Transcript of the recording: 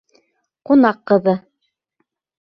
ҠУНАҠ ҠЫҘЫ